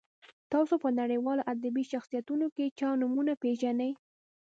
تاسو په نړیوالو ادبي شخصیتونو کې چا نومونه پیژنئ.